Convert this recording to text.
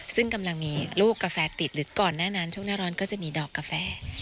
ซึ่งกำลังมีลูกกาแฟติดหรือก่อนหน้านั้นช่วงหน้าร้อนก็จะมีดอกกาแฟ